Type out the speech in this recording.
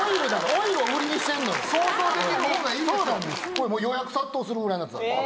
これもう予約殺到するぐらいのやつなんで。